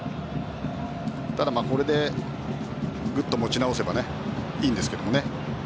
ただ、これでぐっと持ち直せばいいんですけどね。